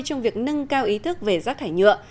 trong việc nâng cao ý thức về rác thải nhựa